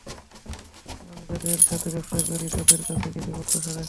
আমি যাদের সাথে ব্যবসা করি, তাদের কাছে কিছু প্রত্যাশা রাখি।